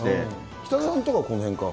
北澤さんとかはこのへんか？